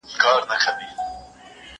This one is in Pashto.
یو څو ورځي بېغمي وه په کورو کي